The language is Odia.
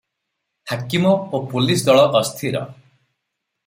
ହାକିମ ଓ ପୋଲିସ ଦଳ ଅସ୍ଥିର ।